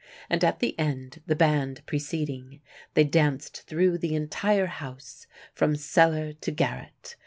And at the end, the band preceding, they danced through the entire house, from cellar to garret.